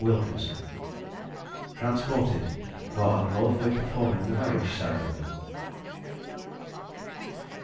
WILKINSON TRANSPORTED FOR UNLAWFULLY PERFORMING THE MARRIAGE CEREMONY.